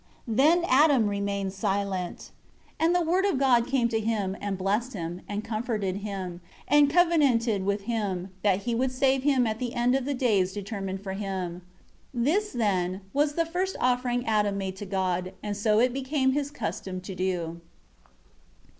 6 Then Adam remained silent. 7 And the Word of God came to him, and blessed him, and comforted him, and covenanted with him, that He would save him at the end of the days determined for him. 8 This, then, was the first offering Adam made to God; and so it became his custom to do.